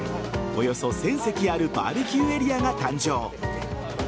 およそ１０００席あるバーベキューエリアが誕生。